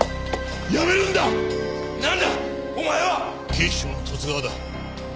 警視庁の十津川だ。